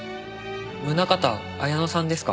宗方綾乃さんですか？